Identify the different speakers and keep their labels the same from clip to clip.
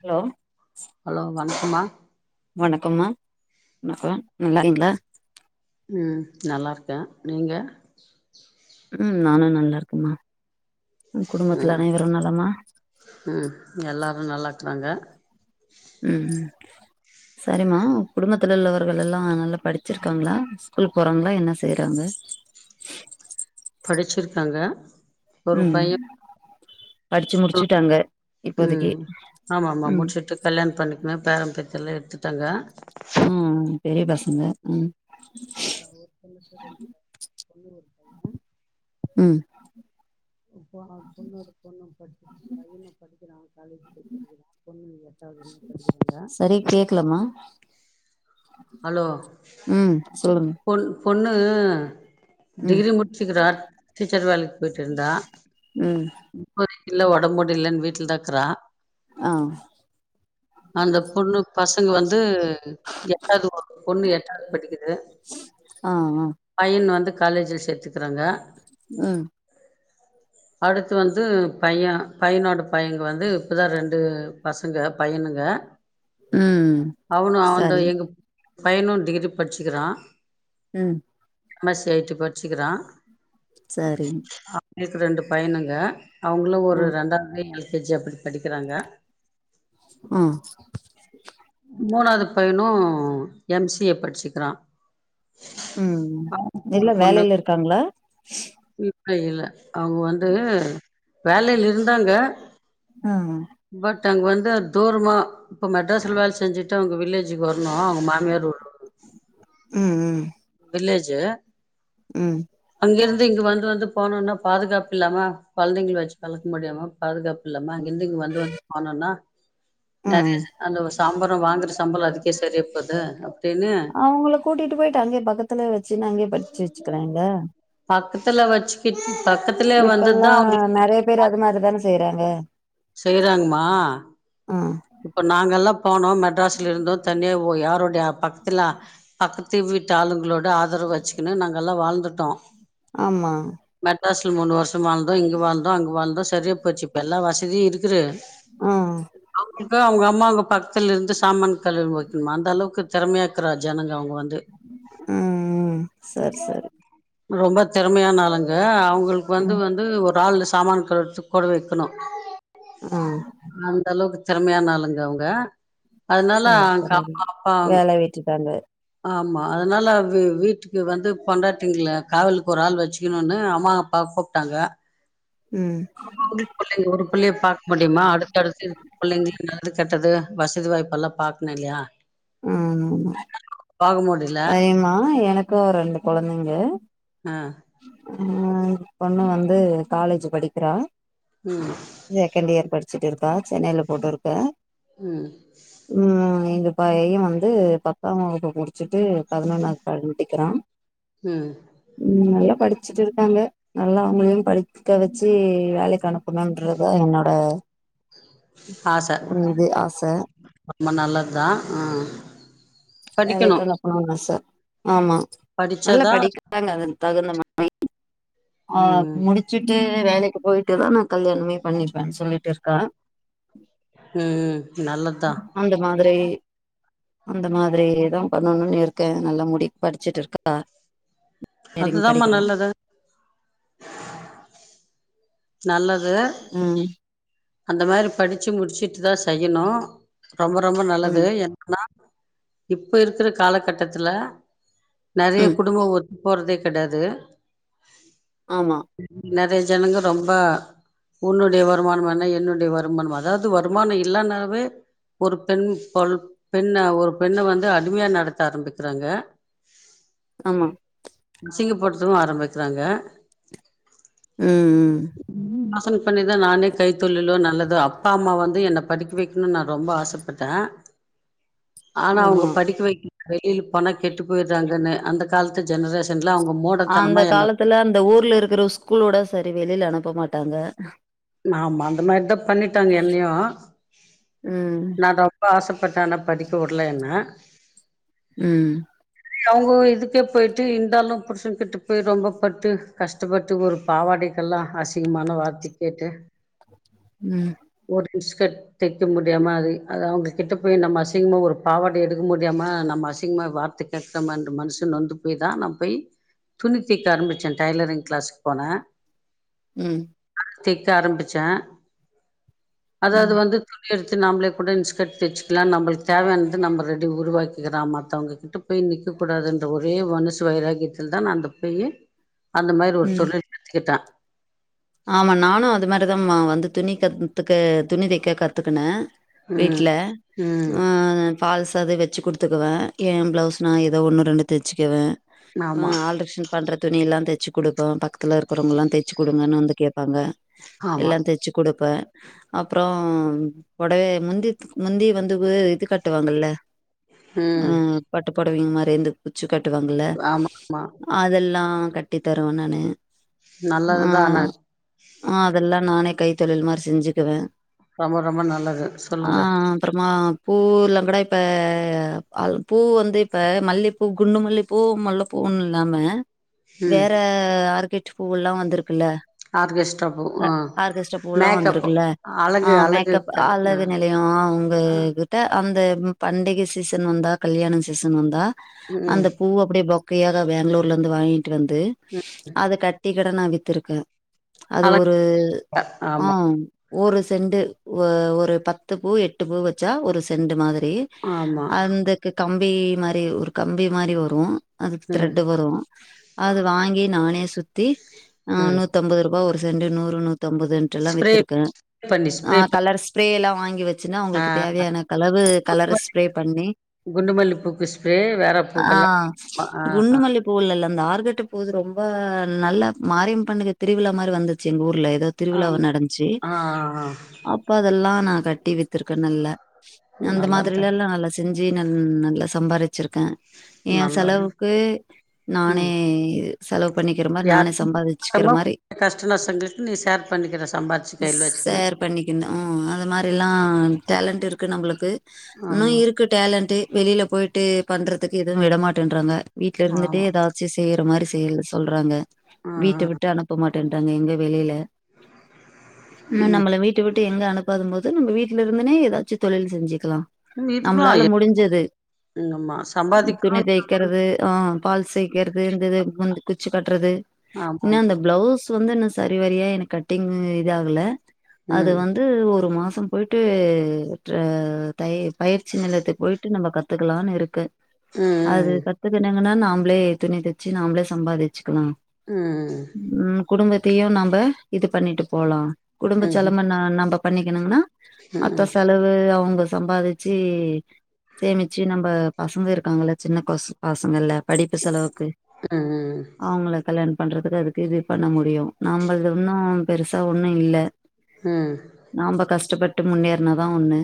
Speaker 1: Hello
Speaker 2: அம்மா
Speaker 1: வணக்கம்மா வணக்கொ நல்லாருக்கீங்ளா
Speaker 2: ம் நல்லா இருக்க நீங்க
Speaker 1: ம் நானு நல்லா இருக்கம்மா ம் குடும்பத்ல அனைவரு நலமா
Speaker 2: அ நல்லா இக்குறாங்க
Speaker 1: ம் ம் சரிம்மா குடும்பத்துல உள்ளவர்களெல்லா நல்லா படிச்சிருக்காங்ளா ஸ்கூலுக் போறாங்ளா என்ன செய்றாங்க
Speaker 2: படிச்சிருக்காங்க
Speaker 1: ம் படிச்சு
Speaker 2: ஆ
Speaker 1: முடிச்சுட்டாங்க இப்போதைக்கு
Speaker 2: ம் ஆமா ஆமா
Speaker 1: ம்
Speaker 2: முடிச்சிட்டு கல்யாணம் பண்ணிக் ந பேரம் பேத்தில்லா எடுத்துட்டங்க
Speaker 1: ங்க ம்
Speaker 2: [inaudible] ஒரு பொண்ணுக்கு ரெண்டு [inaudible] ஒரு பொண்ணு ஒரு பைய
Speaker 1: ம்
Speaker 2: இப்போ அவ பொண்ணோட பொண்ணு படிச்சிட்ருக்கா பையனு படிக்கிறா காலேஜ் போய் படிக்கிறா பொண்ணு எட்டாவ்து
Speaker 1: செரியா கேக்லம்மா
Speaker 2: ஹலோ
Speaker 1: சொல்லுங்க
Speaker 2: பொண் பொண்ணு ஆ
Speaker 1: ம்
Speaker 2: டிகிரி முடிச்சிக்கிறா டீச்சர் வேலைக் போயிட்ருந்தா
Speaker 1: ம்
Speaker 2: இல்ல ஒடம் முடிலன் வீட்லதா இக்குறா
Speaker 1: ஆ
Speaker 2: அந்த பொண்ணு பசங்க வந்து எட்டாவ்து ஒரு பொண்ணு எட்டாவ்து படிக்கிது
Speaker 1: ஆ ஆ
Speaker 2: பையன் வந்து காலேஜ்ல சேத்துக்குறாங்க
Speaker 1: ஆ
Speaker 2: அடுத்து வந்து பைய பையனோட பையங்க வந்து இப்பதா ரெண்டு பசங்க பையனுங் க
Speaker 1: ம்
Speaker 2: அவனு அவந்த
Speaker 1: சரி
Speaker 2: எங்க பையனு டிகிரி படிச்சிக்கிறா
Speaker 1: ம்
Speaker 2: M S C I T படிச்சிக்கிறா
Speaker 1: சரி
Speaker 2: னுக்கு ரெண்டு பையனுங்க அவுங்களு ஒரு
Speaker 1: ம்
Speaker 2: ரெண்டாவ்து எல் கே ஜி யோ அப்டி படிக்கிறாங்க
Speaker 1: அ
Speaker 2: மூணாவது பையனு எம் சி ஏ படிச்சிக்கிறா
Speaker 1: ம் ம் எல்லா வேலைல இருக்காங்ளா
Speaker 2: இப்ப இல்ல அவுங்கொ வந்து வேலையில் இருந்தாங்க
Speaker 1: ம்
Speaker 2: பட் அங்க வந்து தூரமா இப்ப மெட்ராஸ்ல வேல செஞ்சுட்டு அவுங்க வில்லேஜ் ஜுகு வர்ணு அவுங்க மாமியார் ஊரு
Speaker 1: ம் ம்
Speaker 2: வில்லேஜு
Speaker 1: ம்
Speaker 2: இங்கருந்து இங்க வந்து வந்து போனுனா பாதுகாப்பு இல்லாம கொழந்தைங்கள வச்சு முடியாம பாதுகாப்பு இல்லாம அங்கிருந்து இங்க வந்து வந்து போனோனா நறைய
Speaker 1: ம்
Speaker 2: ச அந்த சாம்பார் அதுக்கே சரியா போதே
Speaker 1: அவ்ங்கள கூட்டிட்டு போயிட்டு அங்கயே பக்கத்துல வச்சுன்னு அங்கேயே படிச்சு வச்சுக்கிறேங்கல்ல
Speaker 2: பக்கத்துல வச்சுக்கிட்டு பக்கத்துல
Speaker 1: இப்பல்லா
Speaker 2: வந்ததுதா அவுங்களுக்கு
Speaker 1: நெறைய
Speaker 2: பெரிய
Speaker 1: பேரு
Speaker 2: [unintelligible]
Speaker 1: அது மாரிதான செய்யறாங்க
Speaker 2: செய்றாங்மா
Speaker 1: ஆ
Speaker 2: இப்ப நா அங்கெல்லா போனோ மெட்ராஸ்ல இருந்தோ தனியா ஓ யாரோடைய பக்த்ல பக்கத்து வீட்டு ஆளுங்களோட ட ஆதரவு வச்சிக்கின்னு நாங்க எல்லா வாழ்ந்துட்டோ
Speaker 1: ஆமா
Speaker 2: மெட்ராஸ்ல மூணு வருஷம் வாழ்ந்தோ இங்க வாழ்ந்தோ அங்க வாழ்ந்தோ சரியா போச்சு இப்போ எல்லா வசதியு இருக்குது
Speaker 1: ஆ
Speaker 2: அவுங்களுக்கு அவுங்க அம்மாவுங்க பக்த்துல இருந்து சாமான் கழுவி வைக்கணுமா அந்த அளவுக்கு திறமையாக்குறா ஜனங்க அவுங்க வந்து
Speaker 1: ம் சரி சரி
Speaker 2: ரொம்ப தெறமையானாளுங்க அவுங்களுக்கு வந்து
Speaker 1: ம்
Speaker 2: வந்து ரால்ல சாமான்கள் கழுவத்துகூட வக்கணு
Speaker 1: ம்
Speaker 2: அந்த அளவுக்கு திறமையான ஆளுங்க அவுங்க அதனால
Speaker 1: சரி
Speaker 2: அங்க
Speaker 1: சரி
Speaker 2: அப்பா
Speaker 1: வேல விட்டுட்டாங்க
Speaker 2: ஆமா அதனால வீ வீட்டுக்கு வந்து பொண்டாட்டிங்கள காவலுக்கு ஒரு ஆள் வச்சுக்குணுனு அம்மா அப்ப கூப்ட்டாங்க
Speaker 1: ம்
Speaker 2: ஆமா உங்ளுக் பிள்ளைங்க ஒரு பிள்ளையை பாக்க முடியுமா அடுத்து அடுத்து இருக்க புள்ளைங்க நல்லதுகெட்டது வசதி வாய்ப்பு எல்லா பாக்ணு இல்லையா
Speaker 1: ம் ஆமா
Speaker 2: பாக்க முடில
Speaker 1: அ எமா எனக்கு ரெண்டு கொழந்தைங்க
Speaker 2: ஆ
Speaker 1: அ பொண்ணு வந்து காலேஜ் படிக்கிறா
Speaker 2: ம்
Speaker 1: செகண்ட் இயர் படிச் ச்சிட்டு இருக்கா சென்னையில போட்டுருக்க
Speaker 2: ம்
Speaker 1: எங்க பைய வந்து பத்தாம் வகுப்பு முடிச்சிட்டு பதினொன்னாவ்து படிக்கிறா
Speaker 2: ம்
Speaker 1: நல்லா படிச்சுட்டு இருக்காங்க நல்லா அவுங்களையும் படிக்க வச்சி வேலைக்கு அனுப்பணுன்றத என்னோட
Speaker 2: ஆச
Speaker 1: ம் இது ஆச
Speaker 2: ரொம்ப நல்லத் தா ஆ படிக்கணு
Speaker 1: வேலைக்கு அனுப்பனுன் ஆச ஆமா நல்லா
Speaker 2: படிச்சாதா
Speaker 1: படிக்கிறாங்க அது தகுந்த மாரி ஆ
Speaker 2: ம்
Speaker 1: முடிச்சுட்டு டு வேலைக்கு போயிட்டுதா நா கல்யாணமே பண்ணிப்பன் சொல்லிட்டு இருக்கா
Speaker 2: ம் நல்லத்தா
Speaker 1: பிரே அந்த மாதிரி தான் பண்ணணுன்னு இருக்கேன் நல்ல முடி படிச்சுட்டு இருக்கா இன்ஜினியரிங்
Speaker 2: அதுதாமா
Speaker 1: படிக்கிறா
Speaker 2: நல்லது நல்ல
Speaker 1: ம்
Speaker 2: அந்த மாரி படிச்சு முடிச்சுட்டு தா செய்யணு ரொம்ப ரொம்ப நல்லது
Speaker 1: ம்
Speaker 2: ஏன்னா இப்ப இருக்குற காலகட்டத்துல நறைய
Speaker 1: ம்
Speaker 2: குடும்ப ஒத் போறதே கெடையாது
Speaker 1: ஆமா
Speaker 2: நறைய ஜனங்க ரொம்ப உன்னுடைய வருமானம் என்ன என்னுடைய வருமானம் அதாவ்து வருமானம் இல்லனாவே ஒரு பெண் பொ பெண்ண ஒரு பெண்ண வந்து அடிமையா நடத்த ஆரம்பிக்கிறாங்க
Speaker 1: ஆமா
Speaker 2: அசிங்கப் படுத்துவு ஆரம்பிக்கிறாங்க
Speaker 1: ம் ம்
Speaker 2: ஆசன் பண்ணிதா நானே கைத்தொழிளோ நல்லது அப்பா அம்மா வந்து என்ன படிக்க வைக்கணும்னு நா ரொம்ப ஆசைப்பட்டே
Speaker 1: [inaudible]
Speaker 2: ஆனா அவங்க
Speaker 1: ஆமா
Speaker 2: படிக்க வைக்க வெளியில பண கெட்டு போயிடுறாங்கன்னு அந்த காலத்து ஜெனரேஷன்
Speaker 1: அந்த காலத்துல அந்த ஊர்ல இருக்குற ஸ்கூலோட சரி வெளியில அனுப்ப மாட்டாங்க
Speaker 2: ஆமா அந்த மாரி தா பண்ணிட்டாங்க என்னையு
Speaker 1: ம்
Speaker 2: நா ரொம்ப ஆசைப்ப பட்டே ஆனா படிக்க விடல என்ன
Speaker 1: ம்
Speaker 2: அவங்க இதுக்கே போயிட்டு இருந்தாலு புருசன் கிட்டு போய் ரொம்ப பட்டு கஷ்டப்பட்டு ஒரு பாவாடை ல்லா அசிங்கமான வார்த்தைய கேட்டு
Speaker 1: ம்
Speaker 2: இன்ஸ்கட் தைக்க முடியாம அது அது அவங்க கிட்ட போய் நம்ம அசிங்கமா ஒரு பாவாடை எடுக்க முடியாம நம்ம அசிங்கமா வார்த்த கேக்குறமன்ற மனுஷ நொந்து போய் தா போய் துணி தைக்க ஆரம்பிச்சே டைலரிங் கிளாஸுக்கு போனே
Speaker 1: ம்
Speaker 2: தெக்க ஆரம்பிச்சே அதாவது
Speaker 1: ம்
Speaker 2: வந்து துணி நம்மளே கூடச் இன்ஸ்கட் தச்சுகலாம் நம்மளுக்கு தேவையானது நம்ம ரெடி உருவாக்கிற மத்தவங்ககிட்ட போய் நி இருக்கக் கூடாது என்ற ஒரே மனசு வைராகியத்தில்தா அந்த போயி அந்த மாரி ஒரு
Speaker 1: ம்
Speaker 2: தொழில் கத்துக்கிட்டே
Speaker 1: ஆமா நானு அது மாதிரிதாமா வந்து துணி கத்துக்க துணி தைக்கா கத்துக்குனே
Speaker 2: ம்
Speaker 1: வீட்ல
Speaker 2: ம்
Speaker 1: ஆ ஃபால் சாத வச்சு குடுத்துக்குவே ஏ ப்ளவுஸ்னா ஏதோ ஒன்னு ரெண்டு தைச்சுக்குவே ஆ
Speaker 2: ஆமா
Speaker 1: ஆல்டரெஷன் பண்ற துணில்லா தைச்சு குடுப்போ பக்கத்துல இருக்கறவங்கல்லா தச்சு குடுங்கன்னு வந்து கேட்பாங்க
Speaker 2: ஆமா
Speaker 1: எல்லா தைச்சுகுடு ப்ப அப்புறம் புடவ முந்தி முந்தி வந்து இது காட்டுவாங்கல்ல அ
Speaker 2: ம்
Speaker 1: பட்டு பொடவைங்க மாரி இருந்து குச்சி கட்டுவாங்கல
Speaker 2: ஆமா ஆமா
Speaker 1: அதெல்லா ஆ கட்டி தருவே நானு ஆ
Speaker 2: நல்லதுதான்ன
Speaker 1: ஆ அதெல்லா நானே கைத்தொழில் மாரி செஞ்சுக்குவே
Speaker 2: ரொம்ப ரொம்ப நல்லது
Speaker 1: ஆ
Speaker 2: சொல்லுங்க
Speaker 1: அப்பறமா பூ இல்லங்கூடா இப்ப அல் பூ வந்து இப்ப மல்லிப்பூ குண்டு மல்லிப்பூ முல்ல பூ பூண் இல்லாம
Speaker 2: ம்
Speaker 1: வேற ஆர்கிட் பூவெல்லா வந்திருக்குல்ல
Speaker 2: ஆர்கெஸ்ட்ரா பூ
Speaker 1: அ
Speaker 2: ஆ
Speaker 1: ஆர்கெஸ்ட்ரா பூ எல்லா
Speaker 2: மேக்கப்பு
Speaker 1: வந்திருக்குல்ல ஆ
Speaker 2: அழகு அழகு
Speaker 1: மேக்கப்
Speaker 2: கலை ஆ
Speaker 1: அழகு நெலைய ஆ உங்க கிட்ட அந்த பண்டிகை சீசன் வந்தா கல்யாண சீசன் வந்தா
Speaker 2: ம்
Speaker 1: அந்த பூ அப்படியே ப க்கையாதா பெங்களூர்ல இருந்து வாங்கிட்டு வந்து
Speaker 2: ம்
Speaker 1: அத கட்டிக்கட நா வித்திருக்கே அது
Speaker 2: அழகு
Speaker 1: ஒரு ஆ
Speaker 2: ஆமா
Speaker 1: ஒரு செண்டு ஓ ஒரு பத்து பூ எட்டு பூ வச்சா ஒரு செண்டு மாதி ரி
Speaker 2: ஆமா
Speaker 1: அந்தக்கு கம்பி மாரி ஒரு கம்பி மாரி வரு அதுக்கு
Speaker 2: ம்
Speaker 1: த்ரெட்டு் வரு அது வாங்கி நானே சுத்தி ஆ
Speaker 2: ம்
Speaker 1: நு தம்பதுரூபா ஒரு சென்டு நூறு நூத்தம்பதுண்ட்டுல்லா
Speaker 2: ஸ்ப்ரே
Speaker 1: வித்துருக்கே
Speaker 2: பண்ணி ஸ்ப்ரே பண்ணி
Speaker 1: கலர் ஸ்பரே எல்லா வாங்கி வச் பிச்சுன்னா
Speaker 2: ஆ
Speaker 1: அவங்களுக்கு தேவையான கலவு கலரு
Speaker 2: குண்டுமல்லி
Speaker 1: ஸ்ப்ரே பண்ணி
Speaker 2: குண்டுமல்லி பூக்கு ஸ்ப்ரே வேற
Speaker 1: ஆ
Speaker 2: பூக்கெல்லா ஆ
Speaker 1: குண்டுமல்லி பூவுல்லல்ல அந்த ஆர்கட் டு போது ரொம்ப நல்ல மாரியம் பண்ணுங்க திருவிழா மாரி வந்துச்சு எங்க ஊர்ல ஏது திருவிழாவ
Speaker 2: ஆம்
Speaker 1: நடஞ்ச்சு
Speaker 2: ஆ ஆ
Speaker 1: அப்ப அதெல்லா நா கட்டி வித்திருக்கே நல்ல அந்த
Speaker 2: நல்லத்தா
Speaker 1: மாதிரிலல்லா நல்லா செஞ்சு ந நல்லா சம்பாரிச் வச்சிருக்கே ஏ
Speaker 2: நல்லது
Speaker 1: செலவுக்கு நானே
Speaker 2: ம்
Speaker 1: செலவு பண்ணிக்கிற மாரி
Speaker 2: யார்
Speaker 1: நானே சம்பாதிச்சுக்கிற
Speaker 2: கஷ்டமோ
Speaker 1: மாரி
Speaker 2: கஷ்ட நஷ்டங்களுக்கு நீ ஷேர் பண்ணிக்கிற சம்பாரிச்சு கையில வச்சுக்கினு
Speaker 1: சேர் பண்ணிக்கெணு ஆ அத மாரில்லா ஆ டேலண்ட் இருக்கு நம்ப்ளுக்கு இன்னு
Speaker 2: ஆமா
Speaker 1: இருக்கு டேலண்ட்டு வெளியில போயிட் டு பண்றதுக்கு எதுவு விடமாட்டேன்றாங்க வீட்ல இருந்துட்டே
Speaker 2: ஆமா
Speaker 1: ஏதாச்சி செய்ற மாரி செய் சொல்றாங்க
Speaker 2: ஆ
Speaker 1: வீட்ட
Speaker 2: ஆ
Speaker 1: விட்டு அனுப்ப மாட்டேன்றாங்க எங்க வெளியில இன்னு நம்மள வீட்ட விட் டு எங்க அனுப்பாதம் போது நம்ம வீட்ல இருந்துனே ஏதாச்சு தொழில் செஞ்சிக்கலா
Speaker 2: ம் இதுக்கெல்லா
Speaker 1: நம்ப்ளால முடிஞ்சது
Speaker 2: ம் ஆமா
Speaker 1: துணி
Speaker 2: சம்பாதிக்கணு
Speaker 1: தெய்க்கிறது ஆ பால் சேக்குறது இந்த இது முந் குச்சி கட்றது
Speaker 2: ஆமாம்
Speaker 1: ப்ளௌஸ் வந்து இன்னு சரி வரியா எனக்கு கட்டிங் இது ஆகலா அது
Speaker 2: ம்
Speaker 1: வந்து ஒரு மாஸ் சம் போயிட்டு ட்ர தை பயிற்சி நிலையத்துக் போயிட்டு நம்ம கத்துக்கலானு இருக்கு அது
Speaker 2: ம்
Speaker 1: கத்துக்கனுங்கன்னா நாம்ப்ளே துணி தச்சு நாம்ப்ளே சம்பாறிச்சுக்கலா
Speaker 2: ம்
Speaker 1: ம் குடும்பத்தையு நம்ப இது பண்ணிட்டு போலா குடும்ப
Speaker 2: ம் ம்
Speaker 1: செலம நா நம்ப பண்ணிக்கெணுங்னா
Speaker 2: ம் ம் ம்
Speaker 1: மத்த
Speaker 2: ம்
Speaker 1: செலவு அவ்ங்க சம்பாதிச்சி சேமிச்சி நம்ப பசங்க இருக்காங்கல்ல சின்ன கொஸ் பசங்கல்ல படிப்பு செலவுக்கு
Speaker 2: ம்
Speaker 1: அவுங்கள கல்யாணம் பண்றதுக்கு அதுக் கு இது பண்ண முடியு நம்மள்து ஒன்னு பெருசா ஒன்னு இல்ல
Speaker 2: ம் ம்
Speaker 1: நாம்ப கஸ்ட்டப்பட்டு முன்னேருனாதா ஒண்ணு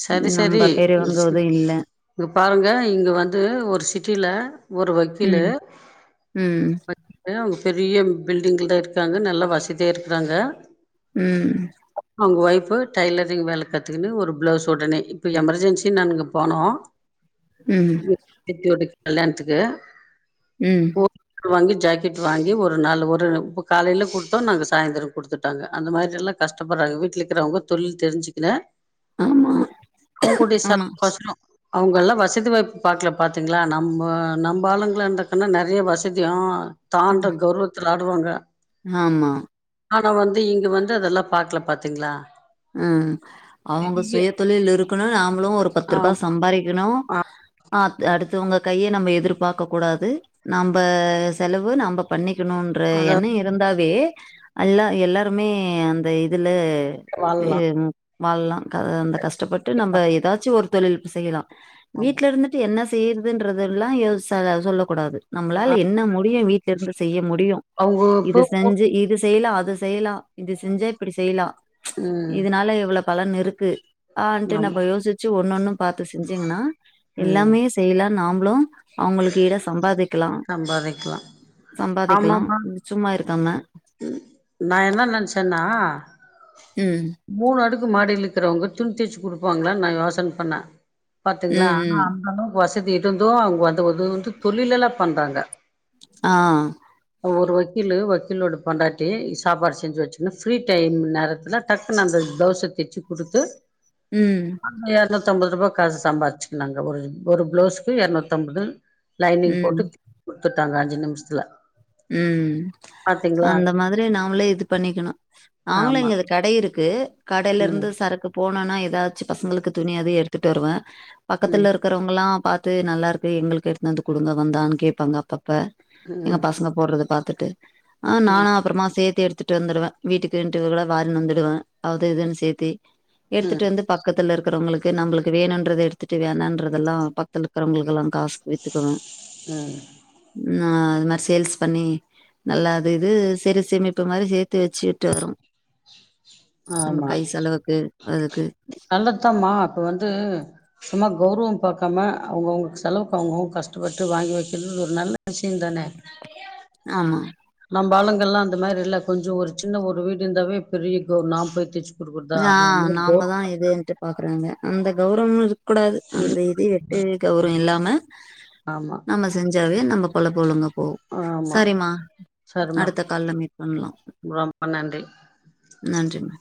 Speaker 2: சரி சரி
Speaker 1: நம்ப பெரியவங்க எதுவும் இல்ல.
Speaker 2: [inaudible] இங்க பாருங்க இங்க வந்து ஒரு சிட்டில ஒரு வக்கீலு
Speaker 1: ம். ம்.
Speaker 2: [unintelligible] அவுங்க பெரிய பில்டிங்ல இருக்காங்க நல்லா வசதியா இருக்குறாங்க
Speaker 1: ம்
Speaker 2: அவுங்க ஒய்ஃபு டைலரிங் வேல கத்துக்குனு ஒரு ப்ளவுஸ் ஒடனே இப்ப எமர்ஜென்சின் நாங்க போணோ
Speaker 1: ம்.
Speaker 2: [inaudible] சித்தியோட கல்யாண்த்துக்கு
Speaker 1: ம்
Speaker 2: வாங்கி ஜாக்கெட் வாங்கி ஒரு நாள் ஒரு பொ காலைல குடுத்தோ நாங்க சாய்ந்தரொ குடுத்துட்டாங்க அந்த மாரியெல்லா கஸ்ட்டப்பர்றாங்க வீட்ல இக்குறவங்கொ தொழில் தெரிஞ்சிக்கினு
Speaker 1: ஆமா.
Speaker 2: அவுங்களோடைய
Speaker 1: ஆமா.
Speaker 2: [inaudible] கொசரொ அவுங்கல்லா வசதி வாய்ப்பு பாக்ல பாத்தீங்ளா நம்போ நம்பாளுங்ளா இருந்தாக்கன்னா நறைய வசதி ஆ
Speaker 1: ம்.
Speaker 2: தான்ற கர்வத்துல ஆடுவாங்க
Speaker 1: ஆமா
Speaker 2: ஆனா வந்து இங்க வந்து அதெல்லா பாக்ல பாத்தீங்ளா
Speaker 1: அ அவுங்க சுயத்தொழில் இருக்கணு நாம் பளு ஒரு பத்துருபா
Speaker 2: ஆமா
Speaker 1: சம்பாறிக்கணு
Speaker 2: ஆ
Speaker 1: ஆ அத் அட்த்தவுங்க கைய நம்ம எதிர்ப்பாக்கக் கூடாது நம்ப செலவு நம்ப பண்ணிக் கெணுன்ற எண்ணொ
Speaker 2: அதாவது
Speaker 1: இருந்தாவே அல்லா எல்லாருமே அந்த இதுல
Speaker 2: வாழலா
Speaker 1: ஏ வாழ்லா க அந்த கஷ்டப்பட்டு நம்ப ஏதாச்சு ஒரு தொழில் செய்யிலா வீட்ல இருந்துட்டு என்ன செய்றதுன்றதுல்லா யோ செல சொல்லக் கூடாது
Speaker 2: ஆ
Speaker 1: நம்ப்ளால என்ன மு டியு வீட்லருந்து செய்ய முடியு
Speaker 2: அவங்க
Speaker 1: இது
Speaker 2: இப்போ
Speaker 1: செஞ்சி இது செய்லா அது செய்லா இது செஞ்சா இப்டி செய்லா
Speaker 2: ம்
Speaker 1: இதுனால இவ்ளோ பலன் இருக்கு ஆன்ட்டு
Speaker 2: ஆமா
Speaker 1: நம்ப யோசிச்சி ஒண்ணொண்ணு பாத்து செஞ்சீங்கன்னா
Speaker 2: ம்
Speaker 1: எல்லாமே செய்லா நாம் ப்ளு அவுங்களுக்கு ஈடா சம்பாதிக் க்லா
Speaker 2: சம்பாதிக்கலா
Speaker 1: சம்பாதிக்கெலா
Speaker 2: ஆமாமா
Speaker 1: சும்மா இருக்காமா
Speaker 2: நா என்னா நெனச்சன்னா
Speaker 1: ம்
Speaker 2: மூணு அடுக்கு மாடியில இக்குறவங்க துணி தெச்சிக் குடுப்பாங்ளான் நா யோசன பண்ண பாத்தீங்ளா
Speaker 1: ம்
Speaker 2: ஆனா
Speaker 1: ம்
Speaker 2: அந்த அளவுக்கு வசதி இருந்து அவ்ங்க வந்து இது வந்து தொழிலெல்லா பண்றாங்க
Speaker 1: ஆ
Speaker 2: ஒரு வக்கீலு வக்கீலோட பொண்டாட்டி சாப்பாடு செஞ்சு வச்சுன்னு ஃப்ரீ டைம் நேரத்துல டக்குனு அந்த ப்ளவுஸ்ஸ தெச்சு குடுத்து
Speaker 1: ம்
Speaker 2: இரநூத்தம்பதுருபா காசு சம்பாதிச்சுக்குனாங்க ஒரு ஒரு ப்ளோஸுக்கு இரநூத்தம்பது லைனிங்
Speaker 1: ம்
Speaker 2: போட்டு குடுத்துட்டாங்க அஞ்சு நிமிஷ்த்துல
Speaker 1: ம் அந்த மாதிரி நாமளே இது பண்ணிக்கணோ அவுங்களோ
Speaker 2: ஆமா.
Speaker 1: இங்கது கடை இருக்கு
Speaker 2: ம்.
Speaker 1: கடையிலர்ந்து சரக்கு போனனா ஏதாச்சு பசங்குளுக்கு துணியது எடுத்துட்டு வருவே
Speaker 2: ம்.
Speaker 1: பக்கத்துல இருக்குறவுங்கல்லா பா த்து நல்லா இருக்கு எங்குளுக்கு எடுத்னு வந்து குடுங்க வந்தான்னு கேப்பாங்க அப்பப்ப எங்க
Speaker 2: ம்.
Speaker 1: பசங்க போட்றத பாத்துட்டு ஆ
Speaker 2: ம்.
Speaker 1: நானா அப்றமா சேத் தி எடுத்துட்டு வந்துருவே வீட்டுக்குட்டு கூட வாரின்னு வந்துடுவே அது இதுனு சேத்தி எடுத்துட்டு
Speaker 2: ம்.
Speaker 1: வந்து பக்கத் பக்கத்துல இருக்குறவுங்குளுக்கு நம்புளுக்கு வேணும்ன்றது எடுத்துட்டு வேணான்றதெல்லா பக்கத்துல இருக்கிறவுங்குளுக்கு எல்லா காசுக்கு வித்துக்குவே
Speaker 2: ம்.
Speaker 1: அதுமாரி சேல்ஸ் பண்ணி நல்லா அது இது சிறு சேமிப்பு மாரி சேத்து வெச்சுட்டு வரோ நம்ம
Speaker 2: ஆமா
Speaker 1: கை செலவுக்கு அதுக்கு
Speaker 2: நல்லத்தாமா அப்ப வந்து சும்மா கௌரவோ பாக்காம அவுங்கவுங்ளுக்கு செலவுக்கு அவுங்கவுங் கஷ்டப்பட்டு வாங்கி வைக்கிறதுனு ஒரு நல்ல விஷ்யோ தானே
Speaker 1: ஆமா
Speaker 2: நம்ம ஆளுங்கள்லா அந்த மாரி இல்ல கொஞ்சோ ஒரு சின்ன ஒரு வீடு இர்ந்தாவே பெரீய கௌ ஒரு நா போய் தச்
Speaker 1: ஆ நாமதா இதுன்ட்டு பாக்குறாங்க அந்த கௌரவமோ இருக் கூடாது அந்த
Speaker 2: இருக்கு
Speaker 1: இது வெட்டு கௌரவோ இல்லாம
Speaker 2: ஆமா
Speaker 1: நம்ம செஞ்சு செஞ்சாவே நம்ம பொழப்பு ஒழுங்க ஓ
Speaker 2: ஆமா
Speaker 1: சரிம்மா
Speaker 2: சரிம்மா
Speaker 1: அடுத்த கால்ல மீட் பண்லா
Speaker 2: ரொம்ப நன்றி
Speaker 1: நன்றிங்க